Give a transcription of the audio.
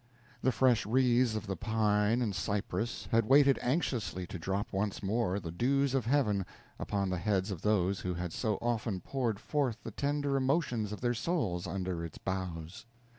The fresh wreaths of the pine and cypress had waited anxiously to drop once more the dews of Heavens upon the heads of those who had so often poured forth the tender emotions of their souls under its boughs.